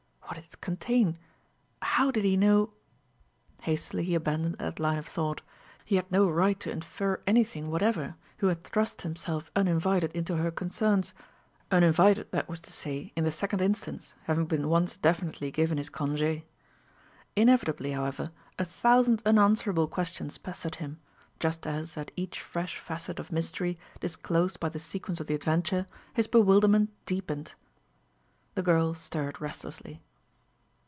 What did it contain? How did he know ...? Hastily he abandoned that line of thought. He had no right to infer anything whatever, who had thrust himself uninvited into her concerns uninvited, that was to say, in the second instance, having been once definitely given his congé. Inevitably, however, a thousand unanswerable questions pestered him; just as, at each fresh facet of mystery disclosed by the sequence of the adventure, his bewilderment deepened. The girl stirred restlessly.